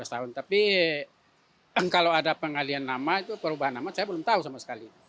lima belas tahun tapi kalau ada pengalian nama itu perubahan nama saya belum tahu sama sekali